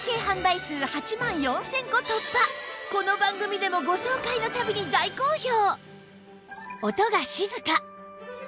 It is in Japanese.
この番組でもご紹介の度に大好評！